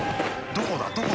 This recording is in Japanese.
どこだ？